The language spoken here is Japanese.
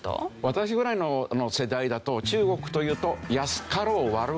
私ぐらいの世代だと中国というとすぐ壊れる。